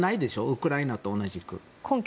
ウクライナと同じく。